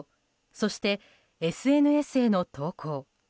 そしてＳＮＳへの投稿。